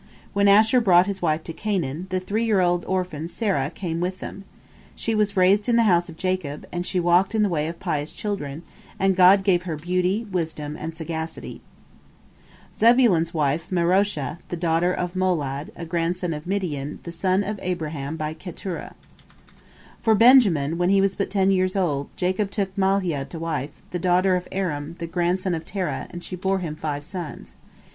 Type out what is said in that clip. When Asher brought his wife to Canaan, the three year old orphan Serah came with them. She was raised in the house of Jacob, and she walked in the way of pious children, and God gave her beauty, wisdom, and sagacity. Zebulon's wife was Maroshah, the daughter of Molad, a grandson of Midian, the son of Abraham by Keturah. For Benjamin, when he was but ten years old, Jacob took Mahlia to wife, the daughter of Aram, the grandson of Terah, and she bore him five sons.